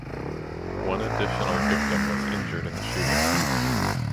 One additional victim was injured in the shooting.